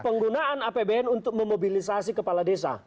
penggunaan apbn untuk memobilisasi kepala desa